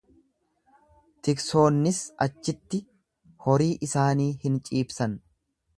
Tiksoonnis achitti horii isaanii hin ciibsan.